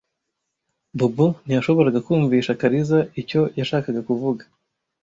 Bobo ntiyashoboraga kumvisha Kariza icyo yashakaga kuvuga.